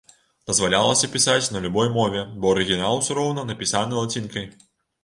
Дазвалялася пісаць на любой мове, бо арыгінал усё роўна напісаны лацінкай.